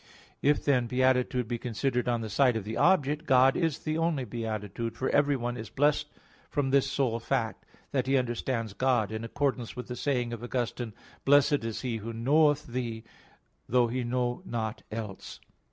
If, then, beatitude be considered on the side of the object, God is the only beatitude; for everyone is blessed from this sole fact, that he understands God, in accordance with the saying of Augustine (Confess. v, 4): "Blessed is he who knoweth Thee, though he know nought else."